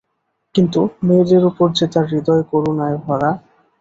কিন্তু মেয়েদের উপর যে তাঁর হৃদয় করুণায় ভরা।